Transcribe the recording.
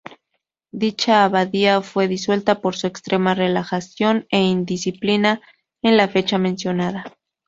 Dicha abadía fue disuelta por su extrema relajación e indisciplina en la fecha mencionada.